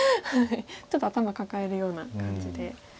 ちょっと頭抱えるような感じで。